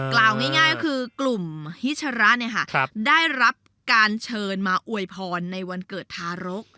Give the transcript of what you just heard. กล่าวง่ายก็คือกลุ่มฮิชระได้รับการเชิญมาอวยพรในวันเกิดทารก